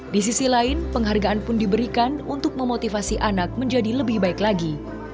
di sisi lain penghargaan pun diberikan untuk memotivasi anak menjadi lebih baik lagi